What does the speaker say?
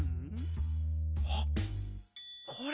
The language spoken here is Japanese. あっこれ！